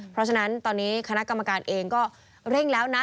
เพราะฉะนั้นตอนนี้คณะกรรมการเองก็เร่งแล้วนะ